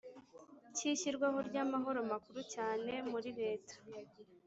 cy ishyirwaho ry Amahoro Makuru Cyane Muri leta